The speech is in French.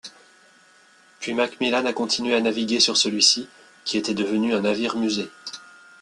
Puis MacMillan a continué à naviguer sur celui-ci qui était devenu un navire musée.